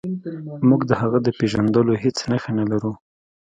موږ د هغه د پیژندلو هیڅ نښه نلرو.